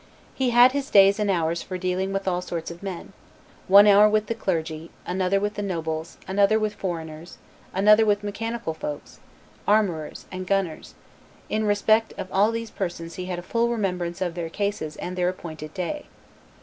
"He had his days and hours for dealing with all sorts of men, one hour with the clergy, another with the nobles, another with foreigners, another with mechanical folks, armorers, and gunners; and in respect of all these persons he had a full remembrance of their cases and their appointed day.